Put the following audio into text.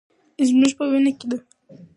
زموږ په وینه کې ده.